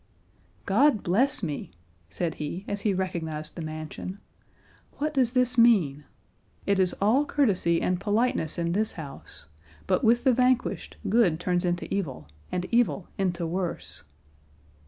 "God bless me!" said he, as he recognised the mansion, "what does this mean? It is all courtesy and politeness in this house; but with the vanquished good turns into evil, and evil into worse."